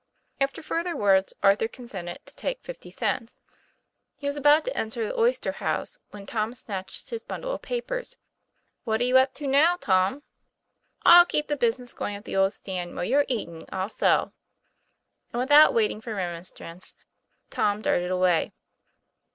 After further words, Arthur consented to take fifty cents. He was about to enter the oyster house, when Tom snatched his bundle of papers. ' What are you up to now, Tom ?" 'I'll keep the business going at the old stand: while you're eating I'll sell." And without waiting for remonstrance, Tom darted away.